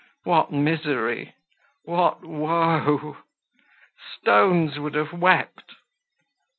_ what misery! What woe! Stones would have wept.